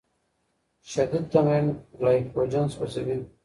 شدید تمرین ګلایکوجن سوځوي.